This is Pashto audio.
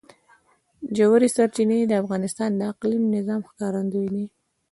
ژورې سرچینې د افغانستان د اقلیمي نظام ښکارندوی ده.